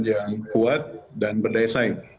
yang kuat dan berdesain